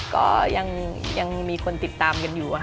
ก็ยังมีคนติดตามกันอยู่ค่ะ